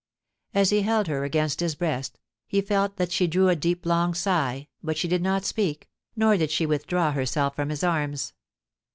As he held her against his breast, he felt that she drew a deep long sigh, but she did not speak, nor did she withdraw herself from his arms.